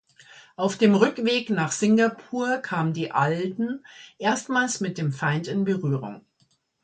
Auf dem Rückweg nach Singapur kam die "Alden" erstmals mit dem Feind in Berührung.